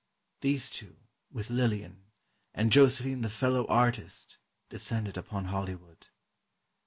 These two, with Lillian, and Josephine the "fellow artist," descended upon Hollywood.